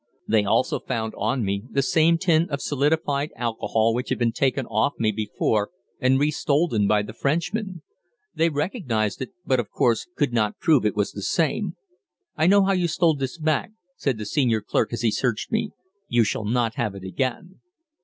They also found on me the same tin of solidified alcohol which had been taken off me before and restolen by the Frenchmen. They recognized it, but of course could not prove it was the same. "I know how you stole this back," said the senior clerk as he searched me. "You shall not have it again."